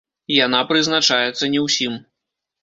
Яна прызначаецца не ўсім.